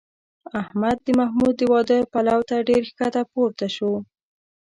احمد د محمود د واده پلو ته ډېر ښکته پورته شو.